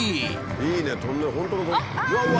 いいねトンネル本当の。